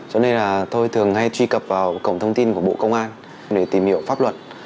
cho nên là tôi thường hay truy cập vào cổng thông tin của bộ công an để tìm hiểu pháp luật